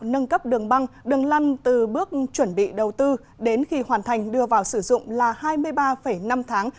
nâng cấp đường băng đường lăn từ bước chuẩn bị đầu tư đến khi hoàn thành đưa vào sử dụng là hai mươi ba năm tháng